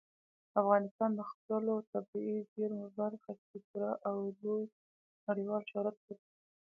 افغانستان د خپلو طبیعي زیرمو په برخه کې پوره او لوی نړیوال شهرت لري.